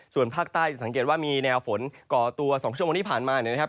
ส่วนภาคใต้จะสังเกตว่ามีแนวฝนก่อตัว๒ชั่วโมงที่ผ่านมาเนี่ยนะครับ